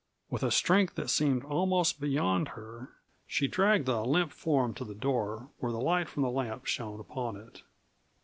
With a strength that seemed almost beyond her shy dragged the limp form to the door where the light from the lamp shone upon it.